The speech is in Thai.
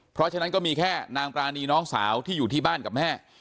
เพราะฉะนั้นก็มีแค่นางปรานีน้องสาวที่อยู่ที่บ้านกับแม่